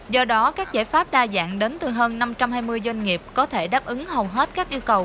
do đó các giải pháp đa dạng đến từ hơn năm trăm hai mươi doanh nghiệp có thể đáp ứng hầu hết các yêu cầu